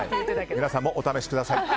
皆さんもお試しください。